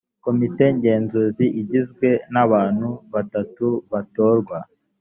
komite ngenzuzi igizwe n’abantu batatu batorwa